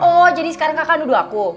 oh jadi sekarang kakak nuduh aku